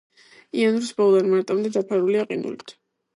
იანვრის ბოლოდან მარტამდე დაფარულია ყინულით.